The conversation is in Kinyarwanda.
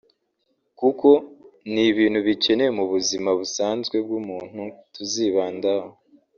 kuko ni ibintu bikenewe mu buzima busanzwe bw’umuntu tuzibandaho